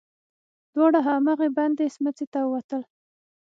دواړه هماغې بندې سمڅې ته ووتل.